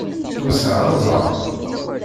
Ur sɛiɣ ara zzheṛ.